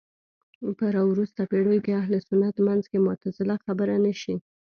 په راوروسته پېړيو کې اهل سنت منځ کې معتزله خبره نه شي